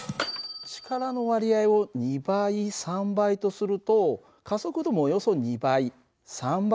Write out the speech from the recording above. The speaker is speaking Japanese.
力の割合を２倍３倍とすると加速度もおよそ２倍３倍となるんだよ。